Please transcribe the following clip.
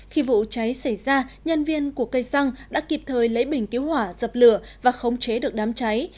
khi vụ cháy xảy ra nhân viên của cây xăng đã kịp thời lấy bình cứu hỏa dập lửa và khống chế được đám cháy